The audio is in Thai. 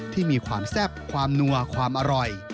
ที่มีความแซ่บความนัวความอร่อย